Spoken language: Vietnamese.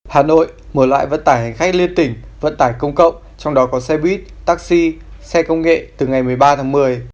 hà nội mở loại vận tải hành khách liên tỉnh vận tải công cộng trong đó có xe buýt taxi xe công nghệ từ ngày một mươi ba tháng một mươi